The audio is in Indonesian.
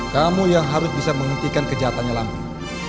kamu yang harus bisa menghentikan kejahatannya langsung